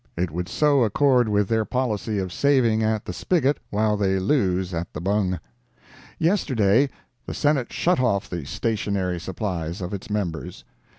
It would so accord with their policy of saving at the spigot while they lose at the bung. Yesterday, the Senate shut off the stationery supplies of its members!